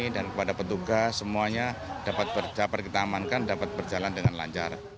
dan kepada petugas semuanya dapat kita amankan dapat berjalan dengan lancar